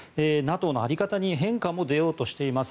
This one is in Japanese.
ＮＡＴＯの在り方に変化も出ようとしています。